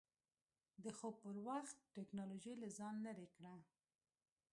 د خوب پر وخت ټېکنالوژي له ځان لرې کړه.